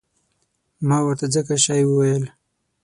ما ورته ځکه شی وویل.